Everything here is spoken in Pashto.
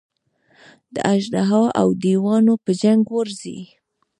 د اژدها او دېوانو په جنګ ورځي.